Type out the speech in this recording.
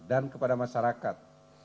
dan kepada masyarakat